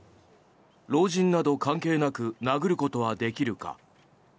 老人など関係なく殴ることはできるか。